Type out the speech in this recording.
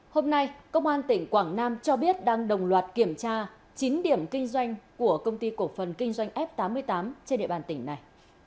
hôm nay công an tỉnh quảng nam cho biết đang đồng loạt kiểm tra chín điểm kinh doanh của công ty cổ phần kinh doanh f tám mươi tám trên địa bàn tỉnh này